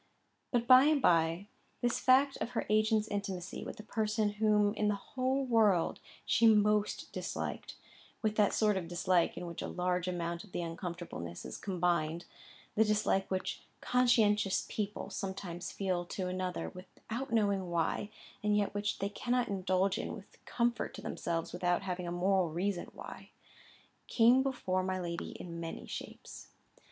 But by and by this fact of her agent's intimacy with the person whom in the whole world she most disliked (with that sort of dislike in which a large amount of uncomfortableness is combined—the dislike which conscientious people sometimes feel to another without knowing why, and yet which they cannot indulge in with comfort to themselves without having a moral reason why), came before my lady in many shapes.